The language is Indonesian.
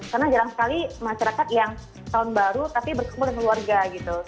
karena jarang sekali masyarakat yang tahun baru tapi berkumpul dengan keluarga gitu